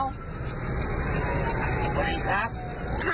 สวัสดีครับ